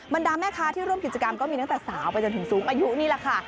ดาแม่ค้าที่ร่วมกิจกรรมก็มีตั้งแต่สาวไปจนถึงสูงอายุนี่แหละค่ะ